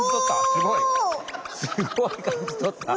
すごい！お。